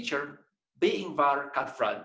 jika anda suka peralatan